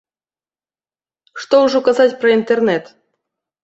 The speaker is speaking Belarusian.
Што ўжо казаць пра інтэрнэт.